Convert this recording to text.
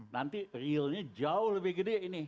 nanti realnya jauh lebih gede ini